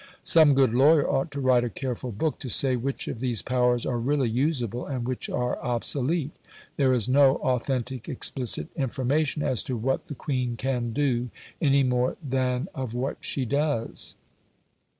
Some good lawyer ought to write a careful book to say which of these powers are really usable, and which are obsolete. There is no authentic explicit information as to what the Queen can do, any more than of what she does.